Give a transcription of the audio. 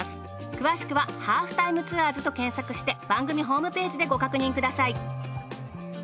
詳しくは『ハーフタイムツアーズ』と検索して番組ホームページでご確認ください。